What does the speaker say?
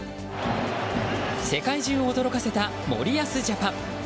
世界中を驚かせた森保ジャパン。